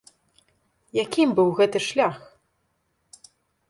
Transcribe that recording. Якім быў гэты шлях?